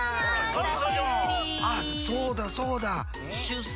あそうだそうだ。